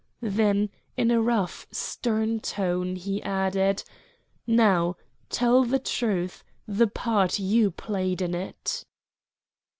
Then, in a rough, stern tone, he added, "Now tell the truth the part you played in it."